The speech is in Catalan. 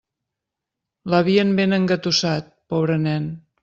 L'havien ben engatussat, pobre nen.